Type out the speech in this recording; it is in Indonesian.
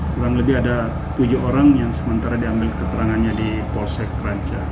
kurang lebih ada tujuh orang yang sementara diambil keterangannya di polsek ranca